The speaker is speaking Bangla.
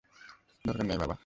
দরকার নেই বাবা।